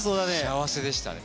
幸せでしたね。